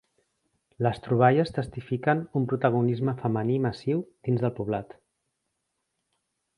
Les troballes testifiquen un protagonisme femení massiu dins del poblat.